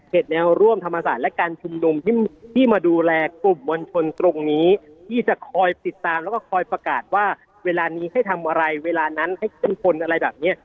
แนวร่วมธรรมศาสตร์และการชุมนุมที่มาดูแลกลุ่มมวลชนตรงนี้ที่จะคอยติดตามแล้วก็คอยประกาศว่าเวลานี้ให้ทำอะไรเวลานั้นให้เข้มคนอะไรแบบนี้